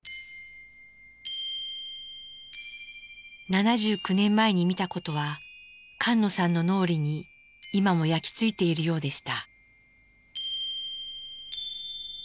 ７９年前に見たことは菅野さんの脳裏に今も焼き付いているようでした。